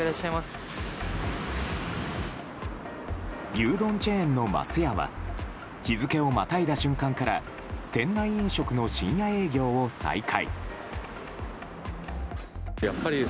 牛丼チェーンの松屋は日付をまたいだ瞬間から店内飲食の深夜営業を再開。